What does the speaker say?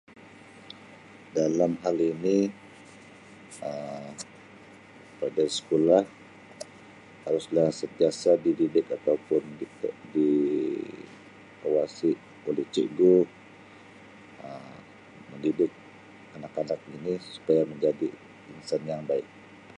Dalam hal ini Um pada sekolah harus lah sentiasa dididik atau pun di Um di awasi oleh cigu Um mendidik anak-anak ini supaya menjadi insan yang baik.